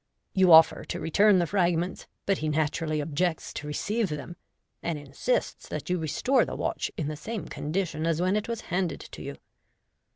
You offer to return the fragments, but he naturally objects to receive them, and insists that you restore the watch in the same condition as when it was handed to you.